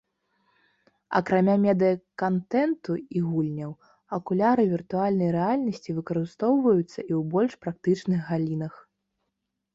Акрамя медыя-кантэнту і гульняў, акуляры віртуальнай рэальнасці выкарыстоўваюцца і ў больш практычных галінах.